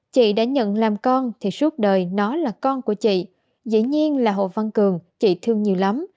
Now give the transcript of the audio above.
chị đã nhận làm con thì suốt đời nó là con của chị dĩ nhiên là hồ văn cường chị thương nhiều lắm